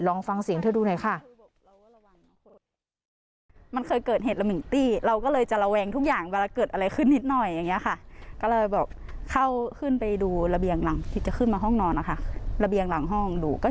ลองฟังเสียงเธอดูหน่อยค่ะ